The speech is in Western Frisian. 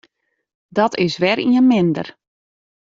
Dat is wer ien minder.